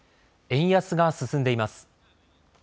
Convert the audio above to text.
円安が進んでいます。